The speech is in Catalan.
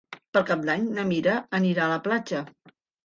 Per Cap d'Any na Mira anirà a la platja.